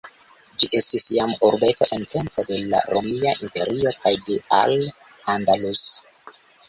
Ĝi estis jam urbeto en tempo de la Romia Imperio kaj de Al-Andalus.